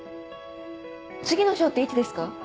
次のショーっていつですか？